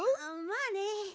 まあね。